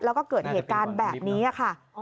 แล้วก็เกิดเหตุการณ์แบบนี้ค่ะ